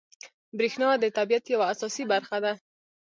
بریښنا د طبیعت یوه اساسي برخه ده